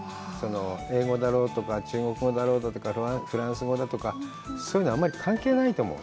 英語だろうとか中国語だろうとかフランス語だとか、そういうのはあんまり関係ないと思う。